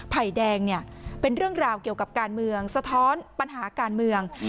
ไผ่แดงเนี่ยเป็นเรื่องราวเกี่ยวกับการเมืองสะท้อนปัญหาการเมือง